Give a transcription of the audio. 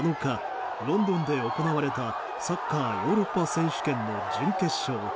７日、ロンドンで行われたサッカー、ヨーロッパ選手権の準決勝。